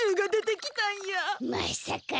まさか。